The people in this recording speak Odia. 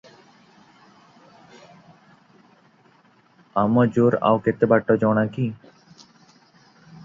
ଆମଜୋର ଆଉ କେତେ ବାଟ ଜାଣ କି?